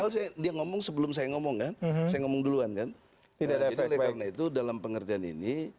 apa yang dia ngomong sebelum saya ngomong mbak ngomong duluan kan tidak ada efekwit tablespoons migrants